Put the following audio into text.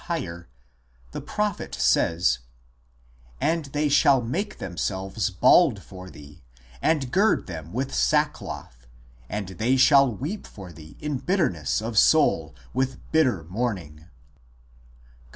MOURNING AND BURIAL CUSTOMS 151 Tyre, the prophet says :" And they shall make themselves bald for thee, and gird them with sackcloth, and they shall weep for thee in bitterness of soul with bitter mourn ing," cp.